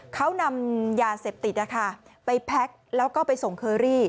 เขานำยาเสพติดไปแพ็คแล้วก็ไปส่งเคอรี่